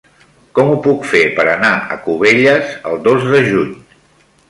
Com ho puc fer per anar a Cubelles el dos de juny?